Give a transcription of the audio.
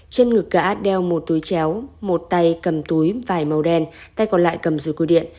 trên ngực gã đeo một túi chéo một tay cầm túi vài màu đen tay còn lại cầm dùi cua điện